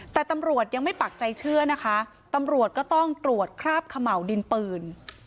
แต่ตำรวจยังไม่ปักใจเชื่อนะคะตำรวจก็ต้องตรวจคราบเขม่าวดินปืน